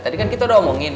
tadi kan kita udah omongin